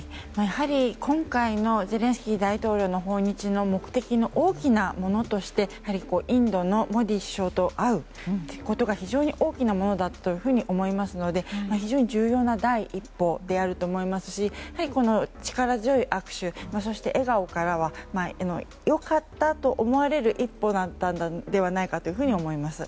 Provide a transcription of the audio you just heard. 今回のゼレンスキー大統領の訪日の目的の大きなものとしてインドのモディ首相と会うということが非常に大きなものだったと思いますので非常に重要な第一歩であると思いますし力強い握手そして、笑顔からは良かったと思われる一歩だったのではないかと思います。